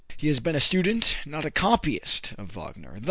He has been a student, not a copyist, of Wagner.